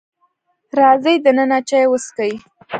راځئ دننه چای وسکئ.